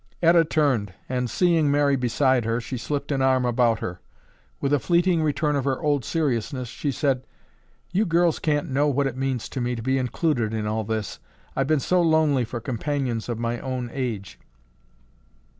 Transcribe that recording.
Etta turned and, seeing Mary beside her, she slipped an arm about her. With a fleeting return of her old seriousness, she said, "You girls can't know what it means to me to be included in all this. I've been so lonely for companions of my own age."